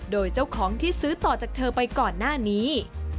โดยเจ้าของที่ซื้อต่อจากเธอไปก่อนหน้านี้